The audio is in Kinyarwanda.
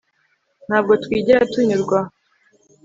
Ntabwo twigera tunyurwa